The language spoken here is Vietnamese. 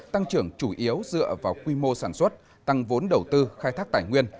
tăng trưởng chủ yếu dựa vào quy mô sản xuất tăng vốn đầu tư khai thác tài nguyên